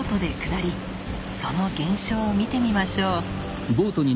その現象を見てみましょう。